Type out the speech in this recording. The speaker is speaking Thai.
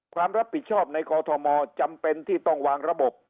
ความรับผิดชอบในกอทมจำเป็นที่ต้องวางระบบ